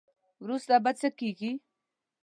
وروسته به څه کیږي.